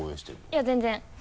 いや全然。